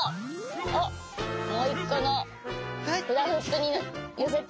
おっもういっこのフラフープによせて。